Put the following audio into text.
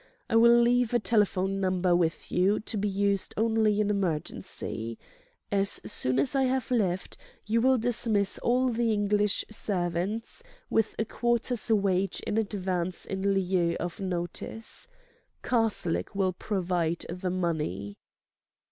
I will leave a telephone number with you, to be used only in emergency. As soon as I have left, you will dismiss all the English servants, with a quarter's wage in advance in lieu of notice. Karslake will provide the money."